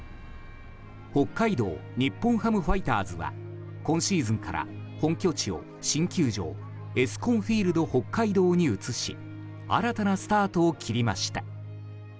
北海道日本ハムファイターズが今シーズンから本拠地を新球場エスコンフィールドＨＯＫＫＡＩＤＯに移し新たなスタートを切りました。